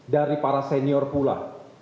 dari para senior pula